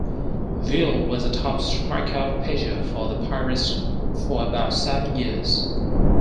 Veale was a top strikeout pitcher for the Pirates for about seven years.